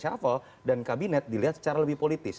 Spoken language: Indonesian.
buahnya adalah setiap reshuffle dan kabinet dilihat secara lebih politis